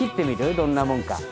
どんなもんか。